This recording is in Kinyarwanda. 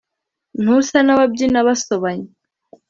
ntusa n’ababyina basobanya